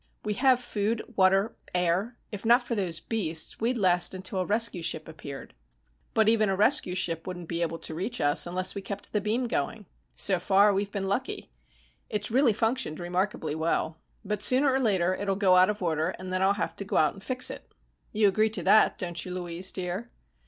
"We have food, water, air. If not for those beasts, we'd last until a rescue ship appeared." "But even a rescue ship wouldn't be able to reach us unless we kept the beam going. So far, we've been lucky. It's really functioned remarkably well. But sooner or later it'll go out of order, and then I'll have to go out and fix it. You agree to that, don't you, Louise, dear?"